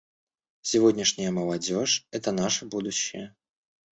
Сегодняшняя молодежь — это наше будущее.